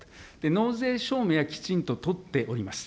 納税証明は、きちんと取っております。